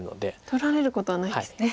取られることはないんですね。